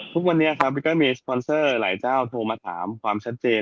ทุกวันนี้เขาก็มีสแปนเซอร์หลายเจ้าโทรมาถามความชัดเจน